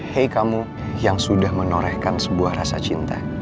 hei kamu yang sudah menorehkan sebuah rasa cinta